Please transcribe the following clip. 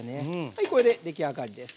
はいこれで出来上がりです。